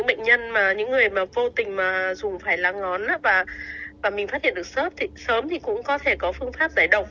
bệnh nhân mà những người mà vô tình mà dùng phải lá ngón á và mình phát hiện được sớm thì cũng có thể có phương pháp giải động